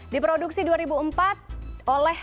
di produksi dua ribu empat oleh